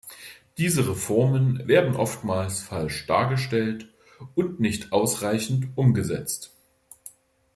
Diese Reformen werden oftmals falsch dargestellt und nicht ausreichend umgesetzt.